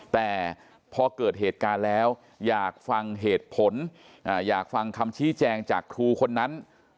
แต่พอเกิดเหตุการณ์แล้วอยากฟังเหตุผลอยากฟังคำชี้แจงจากครูคนนั้น